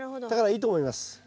だからいいと思います。